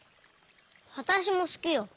わたしもすきよ。